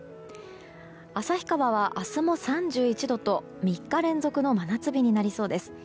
旭川は明日も３１度と３日連続の真夏日になりそうです。